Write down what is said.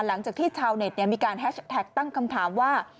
หลังจากที่ชาวเน็ตมีการแฮชแท็กตั้งคำถามว่า